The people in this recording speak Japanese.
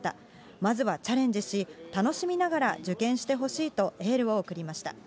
まずはチャレンジし、楽しみながら受験してほしいとエールを送りました。